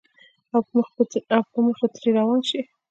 او پۀ مخه ترې روان شې